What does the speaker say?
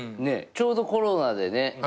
ちょうどコロナでね。